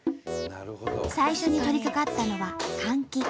最初に取りかかったのは換気。